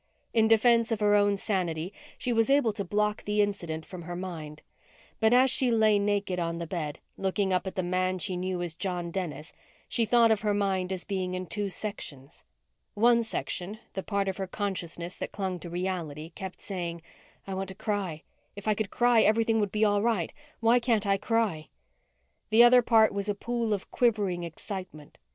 In defense of her own sanity, she was able to block the incident from her mind. But as she lay naked on the bed, looking up at the man she knew as John Dennis, she thought of her mind as being in two sections. One section, the part of her consciousness that clung to reality, kept saying, I want to cry. If I could cry, everything would be all right. Why can't I cry? The other part was a pool of quivering excitement.